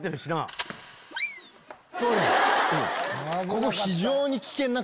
ここ。